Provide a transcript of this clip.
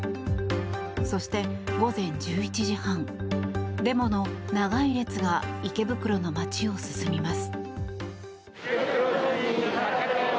そして、午前１１時半デモの長い列が池袋の街を進みます。